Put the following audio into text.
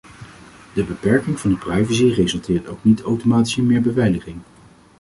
De beperking van de privacy resulteert ook niet automatisch in meer beveiliging.